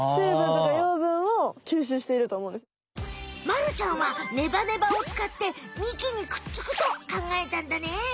まるちゃんはネバネバをつかって幹にくっつくとかんがえたんだね。